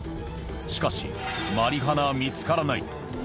しかし、マリファナは見つからない。